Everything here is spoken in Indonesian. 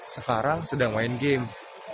sekarang sedang main game